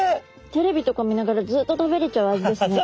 テレビとか見ながらずっと食べれちゃう味ですね。